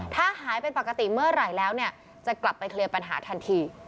ถ้าหายเป็นปกติเมื่อไหร่แล้วเนี่ยจะกลับไปเคลียร์ปัญหาทันที